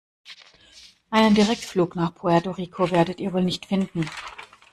Einen Direktflug nach Puerto Rico werdet ihr wohl nicht finden.